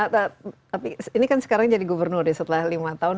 tapi ini kan sekarang jadi gubernur ya setelah lima tahun